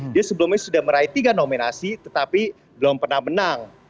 dia sebelumnya sudah meraih tiga nominasi tetapi belum pernah menang